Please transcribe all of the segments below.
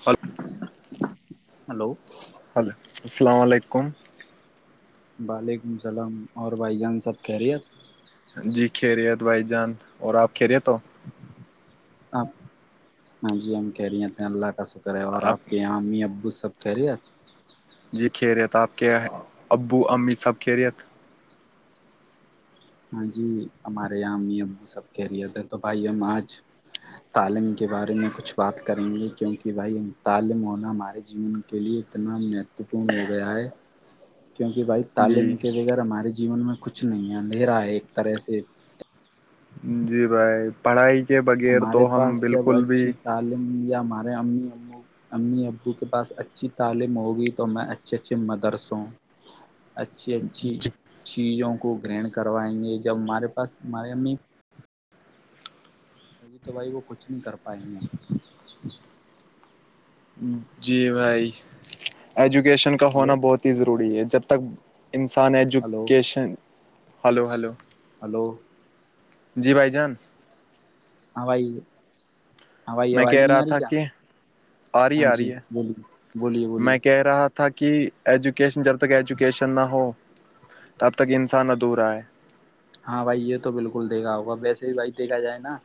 ف hello hello السلام علیکم وعلیکم اللام اور بھائی جان سب کہہ رہی آپ جی کھیری ہےت بھائی جان اور آپ کھیریے تو آپ ہاں جی ہم کہہ رہیے تھے اللہ کا شکر ہے اور آپ کے یہاں شامی ابو سب کہہ رہیے جی کھیریی تھا آپ کے ابو امی سب کھیریت ہاں جی ہمارے یہ امی ابو سب کہہ رہے تھے تو بھائی ہم آج تعلیم کے بارے میں کچھ بات کریں گے کیونکہ بھائی ہم تعلیم ہونا ہمارے جیون کے لیے تنا مہتوپورن ہو گیا ہے کیونکہ بھائی جی تعلیم کے بغیر ہمارے جیون میں کچھ نہیں اندھیرا ہے ایک طرح سے جی بھائی پڑھائی کے بغیر ہمارے تو ہم پاس جب بالکل بھی اچھی تعلیم یا ہمارے امی او امی ابو کے پاس اچھی تعلیم ہوگی تو میں اچھے اچھے مدرس ہوں اچھی اچھی چیزوں کو گرہن کروائیں گے جب ہمارے پاس ہمارے امی کیکہ تو بھائی وہ کچھ نہیں کر پائی ہیں جی بھائی ایجوکیشن کا ہونا ہلو بہت ہی ضروری ہے جب تک انسان hello education hello hello hello [unintelligible] جی بھ جان [unintelligible] ہاں بھائی ہوائی میں آواز کہہ نہیں رہا آ رہی تھا کیا کہ آ رہی ہاں آ جی رہی ہے بولیے بولیے بولیے میں کہہ رہا تھا کہ ایجوکیشن جب تک ایجوکیشن نہ ہو ت تب تک انسان نہدھور آئے [unintelligible] ہاں بھائی یہ تو بالکل دیکھا ہوگا ویسے بھی بھائی دیکھا جائے نا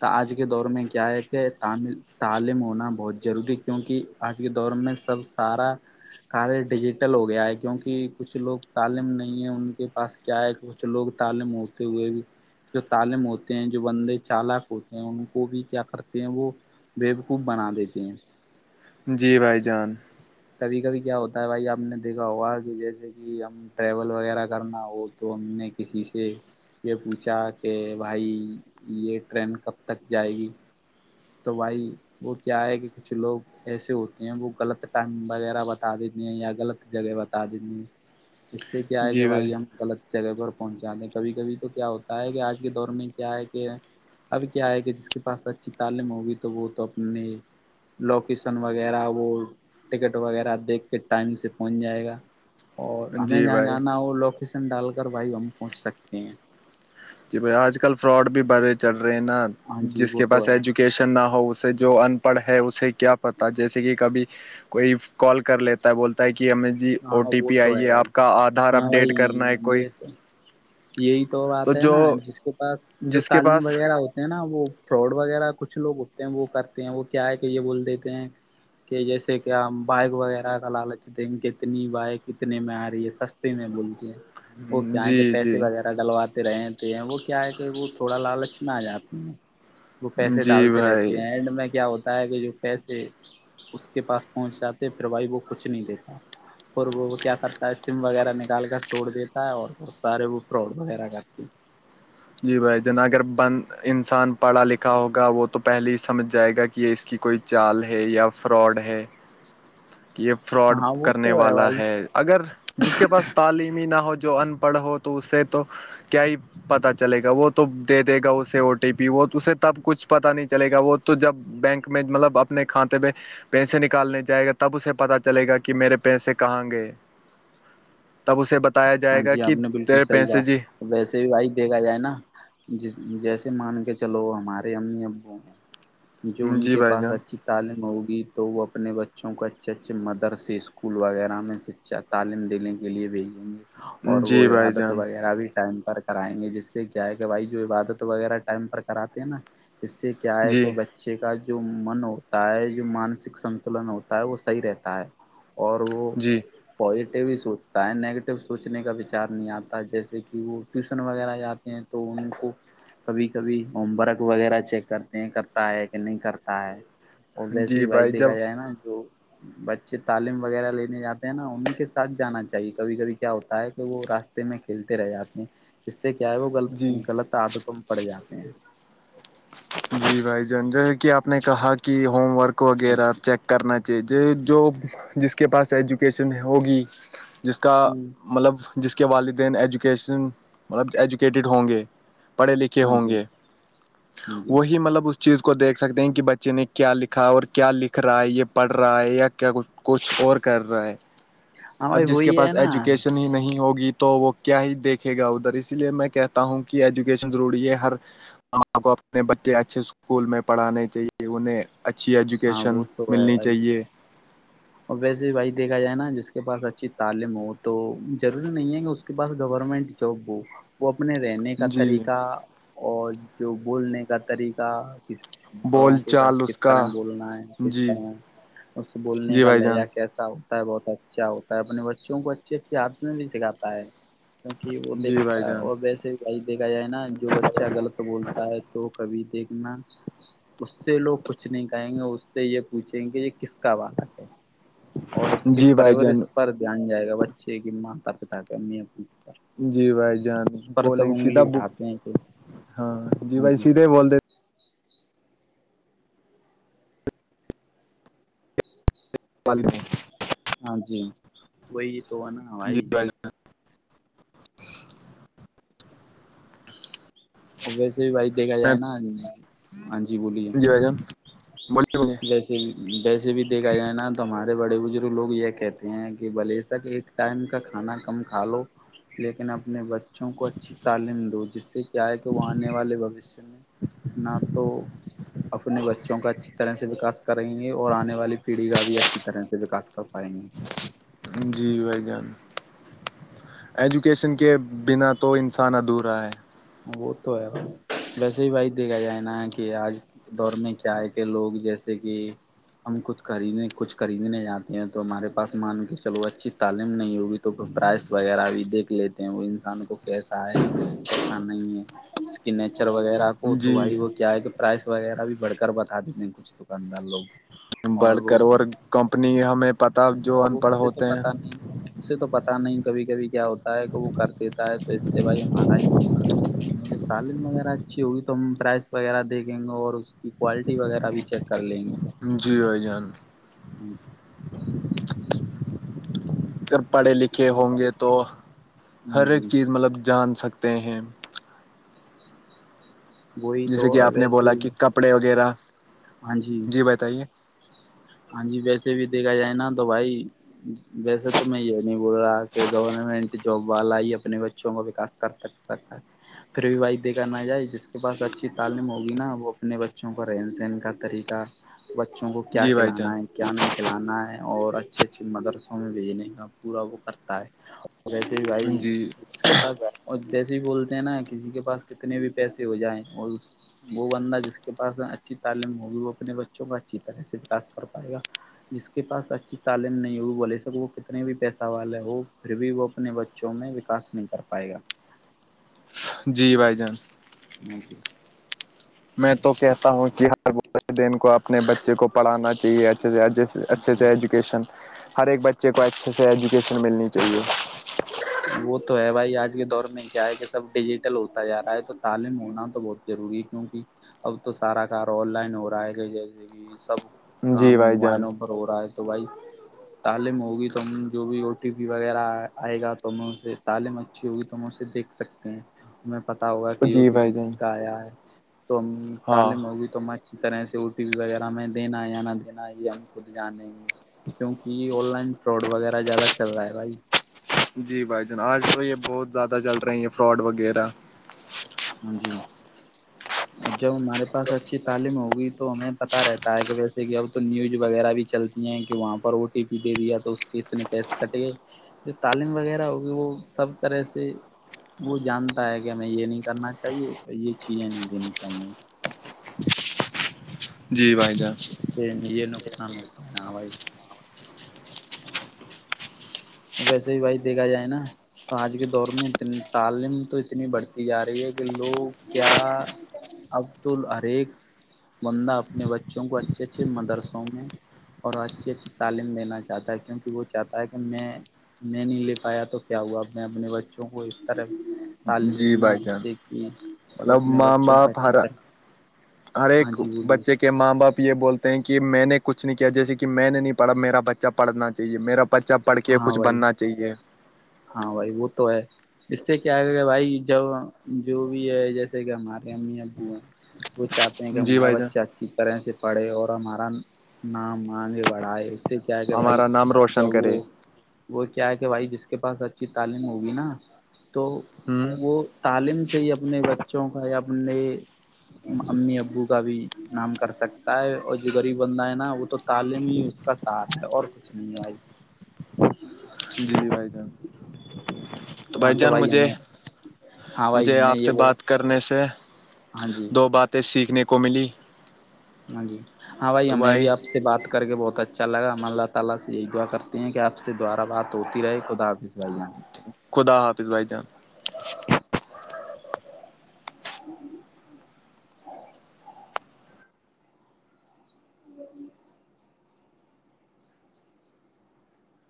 تو آج کے دور میں کیا ہے کہ تامل [unintelligible] تعلیم ہونا بہت ضروری کیونکہ آج کے دور میں سب سارا کارے ڈیجیٹل ہو گیا ہے کیوںکہ کچھ لوگ تعلیم نہیں ہے ان کے پاس کیا ہے کچھ لوگ تالے موڑتے ہوئے بھی جو تعالم ہوتے ہیں جو بندے چالاک ہوتے ہیں ان کو بھی کیا کرتے ہیں وہ ویبقوف بنا دیتے ہیں جی بھائی جان کبھی کبھی کیا ہوتا ہے بھائی آپ نے دیکھا ہوا کہ جیسے کہ ہم ٹریول وغیرہ کرنا ہو تو ہم نے کسی سے یہ پوچھا کہ بھائی یہ ٹرین کب تک جائے گی تو بھائی وہ کیا ہے کہ کچھ لوگ ایسے ہوتے ہیں وہ غلط ٹائگ وغیرہ بتا دیتی ہیں یا غلط جگہ بتا دیتی ہیں اس سے کیا ہے کہ بھائی ہم غلط جگہ پر پہنچاتے ہیں کبھی کبھی تو کیا ہوتا ہے کہ آج کے دور میں کیا ہے کہ ابھی کیا ہے کہ جس کے پاس اچھی تعلیم ہوگی تو وہ تو اپنے لوکیسن وغیرہ وہ ٹکٹ وغیرہ دیکھ کے ٹائم سے پہنچ جائے گا اور ہمیں جی جہاں بھائی جانا ہو لوکیشن ڈال کر بھائی ہم پہنچ سکتے ہیں جی بھ آج کل فراڈ بھی بڑے چل رہے ہیں نا ہاں جی جس وہ کے تو پاس ہے کیشن نہ ہو اسے جو ان پڑھ ہے اسے کیا پتا جیسے کہ کبھی کوئی کال کر لیتا ہے بولتا ہے کہ ہمیں جی او ہاں ٹی وہ پی تو ہے آئیے بھائی آپ کا آدھار اپ ہاں ڈیٹ کرنا ہے بھائی کوئی یہ [unintelligible] تو یہی تو بات ہے نا جس کے پاس جو جس کے تعلیم پاس وغیرہ ہو تے ہیں نا وہ فراڈ وغیرہ کچھ لوگ ہوتے ہیں وہ کرتے ہیں وہ کیا ہے کہ یہ بول دیتے ہیں کہ جیسے کہ ہم بائگ وغیرہ کا لالچ د [unintelligible] اتنی بائک اتنے میں آ رہی ہے سستے میں بولتی ہیں وہ کیائے کہ جی جی پیسے وغیرہ ڈلواتے رہتے ہیں وہ کیا ہے کہ وہ تھوڑا لالچ نہ آ جاتی ہیں وہ پیسے جی ڈالتے بھائی رہتے ہیں اینڈ میں کیا ہوتا ہے کہ جو پیسے اس کے پاس پہنچ جاتے پھر بھائی وہ کچھ نہیں دیتا اور وہ کیا کرتا ہے سم وغیرہ نکال کر توڑ دیتا ہے اور بہت سارے وہ پراڈ وغیرہ کرتی جی بھائی جنا اگر بند انسان پڑھا لکھا ہوگا وہ تو پہلے ہی سمجھ جائے گا کہ کہ کوئی چال ہے یا فراڈ ہے یہ فراڈ ہاں وہ کرنے تو والا بھائی ہے اگر جس کے پاس تعلیمی نہ ہو جو ان پڑھ ہو تو اس سے تو کیا ہی پتا چلے گا وہ تو دے دے گا اسے او ٹی پی وہ اسے تب کچھ پتا نہیں چلے گا وہ تو جب بینک میں مطلب اپنے کھاتے میں پیسے نکالنے جائے گا تو تب اسے پتاہ چلے گا کہ میرے پیسے کہاں گئے تب اسے بتایا ہاں جائے گا جی آپ کہ نے بالکل تیرے صحیح پیسے جی کہا ویسے بھی بھائی دیکھا جائے نا جس جیسے مان کے چلو ہمارے ہم نے ابو ہیں جو ان جی کے بھائی پاس جان اچھی تعلیم ہوگی تو وہ اپنے بچوں کو اچھے اچھے مدرسے اسکول وغیرہ میں سے چات تعلیم دینے کے لیے بھیجیں گے اور وہ جی بھائی عبادت جان وغیرہ بھی ٹائم پر کرائیں گے جس سے کیا ہے کہ بھائی جو عبادت وغیرہ ٹائم پر کراتے ہیں نا اس سے کیا ہے جی کہ بچے بچے کا جو من ہوتا ہے جو مانسک سنتلن ہوتا ہے وہ صحیح رہتا ہے اور وہ جی پازیٹیو ہی سوچتا ہے نگیٹو سوچنے کا وچار نہیں آتا جیسے کہ وہ ٹیوشن وغیرہ جاتے ہیں تو ان کو کبھی کبھی ہوم ورک وغیرہ چیک کرتے ہیں کرتا ہے کہ نہیں کرتا ہے ابوس ہی جی بائی بھائی جب دیکھا جائے نا جو بچے تعلیم وغیرہ لینے جاتے ہیں نا انیں کے ساتھ جانا چاہیے کبھی کبھی ہوتا ہے کہ وہ راستے میں کھیلتے رہ جاتے ہیں اس سے کیا ہے وہ غلط جی غلط تعدتم پڑ جاتے ہیں اوکے جی بھائی جان جو ہے کہ آپ نے کہا کہ ہوم ورک ہاں وغیرہ جی چیک کرنا چاہیے جو جس کے پاس ایجوکیشن ہوگی جس کا ہ مطلب جس کے والدین ایجوکیشن مطلب ایجوکیٹیڈ ہوں گے پڑھے لکھے ہاں ہوں جی گے ہاں جی وہی مطلب اس چیز کو دیکھ سکتے ہیں کہ بچے نے کیا لکھا اور کیا لکھ رہا ہے یہ پڑھ رہا ہے یا کیا کچھ کچھ اور کر رہا ہے ہاں اب بھائی جس کے وہی ہے پاس نا ایجوکیشن ہی نہیں ہوگی تو وہ کیا ہی دیکھے گا ادھر اسی لیے میں کہتا ہوں کہ ایجوکیشن ضروری ہے ہر آ کو اپنے بچے اچھے اسکول میں پڑھانے چاہیے انہیں اچھی ہاں ایجوکیشن وہ تو ہے ملنی بھائی چاہیے اور ویسے بھائی دیکھا جائے نا جس کے پاس اچھی تعلیم ہو تو ضروری نہیں ہے کہ اس کے پاس گورنمنٹ توبو وہ اپنے رہنے کا جی طریقہ اور جو بولنے کا طریقہ بڑوں بول کے ساتھ چال اس کس کا طرح بولنا ہے کس جی طرح اس بولنے جی کا بھائی جان لہجہ کیسا ہوتا ہے بہت اچھا ہوتا ہے اپنے بچوں کو اچھے اچھے حادم میں بھی سکھاتا ہے کیونکہ وہ جی بھائی دیکھتا ہے جان اور ویسے بائی دیکھا جائے نا جو بچہ غلط بولتا ہے تو کبھی دیکھنا اس سے لوگ کچھ نہیں کہیں گے اس سے یہ پوچھیں گے یہ کس کا والا ہے اور اس کے جی بھائی جان پرورش پر دھیان جائے گا بچے کی ماتا پتا کے امی اپنی جی بھائی جان بولیں گ سیدھا انگلی اٹھاتے ہیں کہ ہاں جی بھائی سیدھے بولتے پال ہ ہاں جی وہی تو ہو نا جی ہماری بھائی ویسے بھی بھائی دیکھا جائے جان نا ہاں جی بولی جی جان بولیے بولیے ویسے ویسے بھی دیکھا جائے نا تو ہمارے بڑے بزرگ لوگ یہ کہتے ہیں کہ بلے سک ایک ٹائم کا کھانا کم کھا لو لیکن اپنے بچوں کو اچھی تعلیم دو جس سے کیا ہے کہ وہ آنے والے بوشیہ میں نہ تو اپنے بچوں کا طرح سے وکس کریں گے اور آنے والی پیڑھی کا بھی اچھی طرح سے وکس کر پائیں گے جی بھائی جان ایجوکیشن کے بنا تو انسان ادھورا ہے وہ تو ہے ب ویسے ہی بھائی دیکھا جائے نا کہ آج دور میں کیا ہے کہ لوگ جیسے کہ ہم کچھ خریدنے کچھ خریدنے جاتے ہیں تو ہمارے پاس مان کے چلو اچھی تعلیم نہیں ہوگی تو پرائس وغیرہ بھی دیکھ لیتے ہیں وہ انسان کو کیسا ہے کیسا نہیں ہے اس کی نیچر وغیرہ کو تو جی بھائی وہ کیا ہے کہ پرائس وغیرہ بھی بڑھ کر بتا دیتے ہیں کچھ دکاندار لوگ بڑھ کر اور کمپنی ہمیں پتا جو اور ان پڑھ تو ہوتے ہیں پتا نہیں اس سے تو پتا نہیں کبھی کبھی کیا ہوتا ہے کہ وہ کر دیتا ہے تو اس سے بھائی ہمارا ہی نقصان تعلیم وغیرہ اچھی ہوگی تو ہم پرائز وغیرہ دیکھیں گے اور اس کی کوالٹی وغیرہ بھی چیک کر لیں گے جیو جان ا سر تو پڑھے لکھے ہوں گے تو ہاں ہر ایک جی چیز مطلب جان سکتے ہیں وہی تو جیسے کہ آپ نے ویسے بولا کہ کپڑے وغیرہ جی بتائیے ہاں جی ویسے بھی دیکھا جائے نا تو بھائی ویسے تو میں یہ نہیں بول رہا کہ گورنمنٹ جاب والا ہی اپنے بچوں کا وکاس کر سک پچ پھر بھی وائی دیکھا نہ جائے جس کے پاس اچھی تعلیم ہوگی نا وہ اپنے بچوں کا رہن سہن کا طریقہ بچوں کو کیا جی بھائی کھلانا جان کیا نہیں کھلانا ہے اور اچھے اچھے مدرسوں میں بھیجنے کا پورا وہ کرتا ہے اور ویسے ہی بھائی جی اس کے پاس اور جیسے بھی بولتے ہیں نا کسی کے پاس کتنے بھی پیسے ہو جائیں اور وہ بندہ جس کے پاس اچھی تعلیم ہوگی وہ اپنے بچوں کو اچھی طرح سے واس کر پائے گا جس کے پاس اچھی تعلیم نہیں ہوئی بولے سک وہ کتنے بھی پیسہ والے ہو پھر بھی وہ اپنے بچے چ میں وکاس نہیں کر پائے گا جی بھائی جان ج جی میں تو کہتا ہوں ہر دین کو اپنے بچے کو پڑانا چاہیے اھے سے اچھے جی سے ایجوکیشن ہر ایک بچے کو اچھے سے ایجوکیشن ملنی چاہیے وہ تو ہے بھائی آج کے دور میں کیا ہے کہ سب ڈیجیٹل ہوتا جا رہا ہے تو تعلیم ہونا تو بہت ضروری کیوںکہ اب تو سارا کار آن لائن ہو رہا ہے کہ جیسے کہ سب جی کام بھائی جان مائلوں ہو رہا ہے تو بھائی تعلیم ہوگی تو ہم جو بھی او ٹی پی وغیرہ آئے گا تو میں اسے تعلیم اچھی ہوگی تو ہم اسے دیکھ سکتے ہیں ہمیں پتا ہوگا کہ یو جی پی پی بھائی جان کس کا آیا ہے تو ہاں تعلیم ہوگئی تو میں اسی طرح سے او ٹی پی وغیرہ میں دینا ہے یا نہ دینا یہ ہم خود جانیں گے کیونکہ آن لائن فراڈ وغیرہ زیادہ چل رہا ہے بھائی جی بھائی جان آج تو یہ بہت زیادہ چل رہے ہیں فراڈ وغیرہ ہاں جی ج اور جب ہمارے پاس اچھی تعلیم ہوگی تو ہمیں پتا رہتا ہے کہ ویسے کہ اب تو نیوز وغیرہ بھی چلتی ہیں کہ وہاں پر او ٹی پی دے دیا تو اس کے اتنے پیسے کٹے گئے جو تعلیم وغیرہ ہوگی وہ سب طرح سے وہ جانتا ہے کہ ہمیں یہ نہیں کرنا چاہیے یہ چیزیں نہیں لینی چاہیے جی بھائی جان سے میں یہ نقصان ہوتا ہے ہاں بھائی ویسے ہی بھائی دیکھا جائے نا تو آج کے دور میں انی تعلیم تو اتنی بڑھتی جا رہی ہے کہ لوگ کیا عبد ال ہر ایک بندہ اپنے بچوں کو اچھے اچھے مدرسوں میں اور اچھی اچھی تعلیم دینا چاہتا ہے کیونکہ وہ چاہتا ہے کہ میں میں نہیں لے پایا تو کیا ہوا اپ میں اپنے بچوں کو اس طرح تعلیم جی دوں گا بھائی جس جان سے کہ وہ مطلب اپنے ماں بچوں کو باپ اچھی ہر طرح ہر ہاں ایک جی بولیے بچے کے ماں باپ یہ بولتے ہیں کہ میں نے کچھ نہیں کیا جیسے کہ میں نے نہیں پڑا میرا بچہ پڑھنا چاہیے میرا بچہ پڑھ کے ہاں کچھ بھائی بننا چاہیے ہاں بھائی وہ تو ہے اس سے کیا کر گا بھائی جب جو بھی ہے جیسے کہ ہمارے امی ابو ہیں وہ چاہ کہ جی ہمارا بھائی جان بچہ اچھی طرح سے پڑھے اور ہمارا نام مانگے بڑھائے اس سے کیا کہ بھائی ہمارا نام جب روشن وہ کرے وہ کیا ہے کہ بھائی جس کے پاس اچھی تعلیم ہوگی نا تو ہوں وہ تعلیم سے ہی اپنے بچوں کا یا اپنے امی ابو کا بھی نام کر سکتا ہے اور جو غریب بندہ ہے نا وہ تو تعلیم ہی اس کا اور کچھ نہیں ہے جی بھائی جان تو بھائی جان مجھے ہاں بھائی مجھے میں آپ یہ سے بول بات کرنے سے ہاں جی دو باتیں سیکھنے کو ملی ہاں جی ہاں بھائییا تو میں بھی بھائی آپ سے بات کر کے بہت اچھا لگا ہم اللہ تعالی سے یہی دعا کرتے ہیں کہ آپ سے دوبارہ بات ہوتی رہے خدا حافظ بھائی جان خدا حافظ بھائی جان ہ